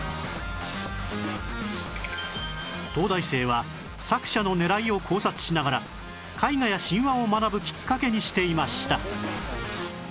東大生は作者の狙いを考察しながら絵画や神話を学ぶきっかけにしていました